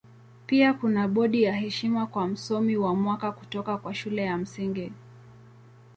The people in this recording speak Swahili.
Pia kuna bodi ya heshima kwa Msomi wa Mwaka kutoka kwa Shule ya Msingi.